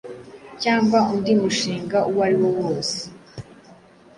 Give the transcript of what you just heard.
cyangwa undi mushinga uwo ariwo wose